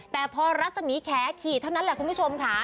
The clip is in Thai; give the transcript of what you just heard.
แต่พอรัศมีแขขี่เท่านั้นแหละคุณผู้ชมค่ะ